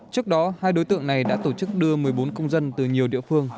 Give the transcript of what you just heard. trước đó hai đối tượng này đã tổ chức đưa một mươi bốn công dân từ nhiều địa phương